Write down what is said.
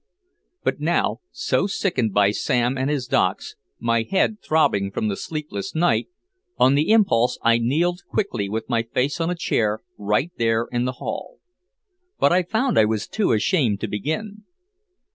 But now, so sickened by Sam and his docks, my head throbbing from the sleepless night, on the impulse I kneeled quickly with my face on a chair right there in the hall. But I found I was too ashamed to begin.